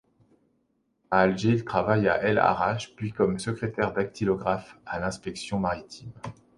À Alger, il travaille à El-Harrach puis comme secrétaire dactylographe à l'inspection maritime.